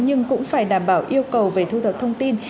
nhưng cũng phải đảm bảo yêu cầu về thu thập thông tin